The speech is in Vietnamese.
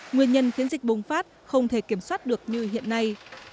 nguyên nhân khiến dịch bùng phát không thể kiểm soát được như hiện nay